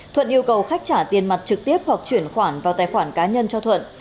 thuận yêu cầu khách trả tiền mặt trực tiếp hoặc chuyển khoản vào tài khoản cá nhân cho thuận